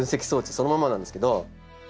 そのままなんですけど。